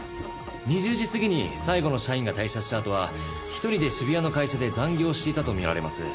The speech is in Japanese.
２０時過ぎに最後の社員が退社したあとは１人で渋谷の会社で残業していたと見られます。